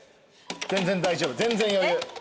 全然大丈夫全然余裕。